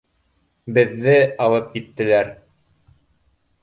Беҙҙе алып киттеләр